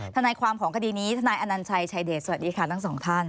ทนายความของคดีนี้ทนายอนัญชัยชายเดชสวัสดีค่ะทั้งสองท่าน